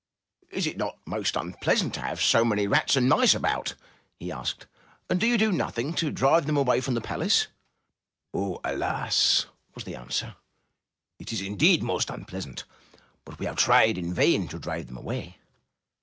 ''Is it not most unpleasant to have so many rats and mice about?'' he asked. ''And do you do nothing to drive them away from the palace?'* "Oh, alas!" was the answer. "It is indeed most unpleasant; but we have tried in vain to drive them away.